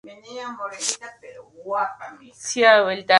En sus últimos años fue directiva del Teatro Old Vic.